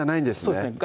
そうですね